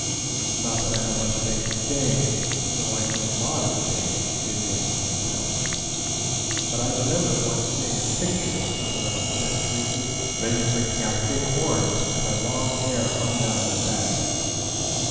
Not that I know much of ancient Danes, though I knew a modern Dane who did me out of ten pounds; but I remember once seeing a picture of some of those gentry, who, I take it, were a kind of white Zulus. They were drinking out of big horns, and their long hair hung down their backs.